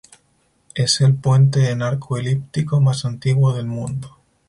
Es el puente en arco elíptico más antiguo del mundo.